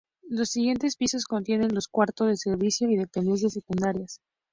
Los siguientes pisos contienen los cuartos del servicio y dependencias secundarias.